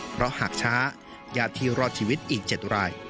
เพราะหากช้ายาทีรอดชีวิตอีกเจ็ดราย